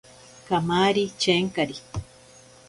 Kamari chenkari.